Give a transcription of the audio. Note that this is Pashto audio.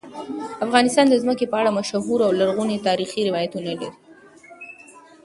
افغانستان د ځمکه په اړه مشهور او لرغوني تاریخی روایتونه لري.